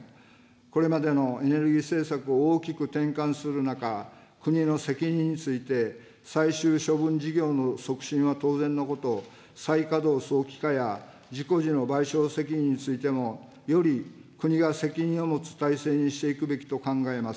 これまでのエネルギー政策を大きく転換する中、国の責任について、最終処分事業の促進は当然のこと、再稼働早期化や、事故時の賠償責任についてもより国が責任を持つ体制にしていくべきと考えます。